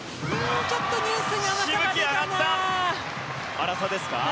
粗さですか？